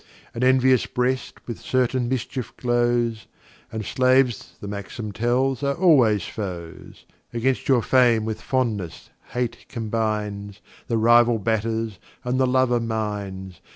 An envious Breast with certain Mischief glows, And Slaves, the Maxim tells, are always Foes, Against your Fame with Fondness Hate combines, The Rival batters, and the Lover mines.